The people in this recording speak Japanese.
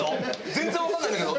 全然わかんないんだけど。